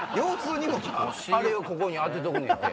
あれをここに当てとくねんって。